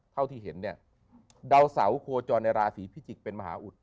เท่าที่เห็นเนี่ยดาวเสาโคจรในราศีพิจิกษ์เป็นมหาอุด